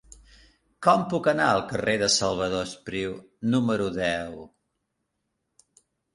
Com puc anar al carrer de Salvador Espriu número deu?